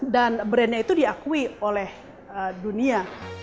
dan brand nya itu diakui oleh dunia